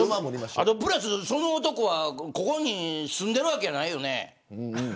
プラスその男はここに住んでるわけじゃないよね。